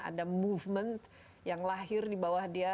ada movement yang lahir di bawah dia